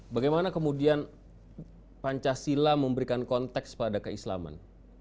bagaimana kemudian pancasila memberikan konteks pada keislaman